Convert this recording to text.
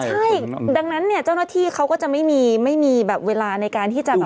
ใช่ดังนั้นเนี่ยเจ้าหน้าที่เขาก็จะไม่มีไม่มีแบบเวลาในการที่จะแบบ